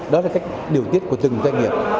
đó là cách điều tiết của từng doanh nghiệp